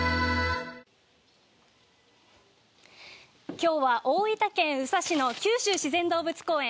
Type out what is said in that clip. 今日は大分県宇佐市の九州自然動物公園